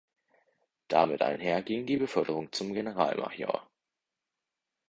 Damit einher ging die Beförderung zum Generalmajor.